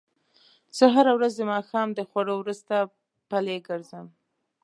زه هره ورځ د ماښام د خوړو وروسته پلۍ ګرځم